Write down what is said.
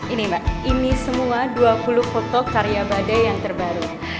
ini mbak ini semua dua puluh foto karya badai yang terbaru